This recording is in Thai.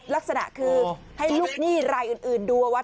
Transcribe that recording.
ลักษณะคือให้ลูกหนี้ไรอื่นดูว่า